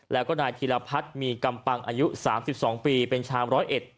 แล้วก็นายธีรพัฒน์มีกำปังอายุ๓๒ปีเป็นชาวร้อยเอ็ด